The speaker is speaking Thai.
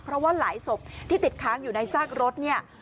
เพราะว่าหลายศพที่ติดค้างอยู่ในซากรถเนี่ย